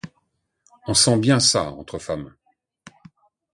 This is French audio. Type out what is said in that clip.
On sent bien ça, entre femmes.